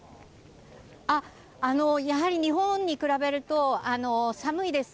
日本に比べると寒いです。